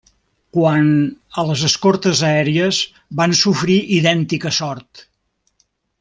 Quant a les escortes aèries van sofrir idèntica sort.